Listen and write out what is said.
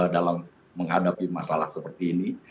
dalam menghadapi masalah seperti ini